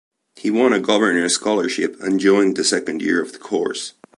He won a Governors' scholarship and joined the second year of the course.